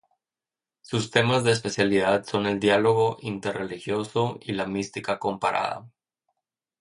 Sus temas de especialidad son el diálogo interreligioso y la mística comparada.